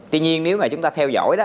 tuy nhiên nếu mà chúng ta theo dõi đó